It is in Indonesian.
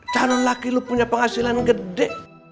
calon laki lu punya penghasilan gede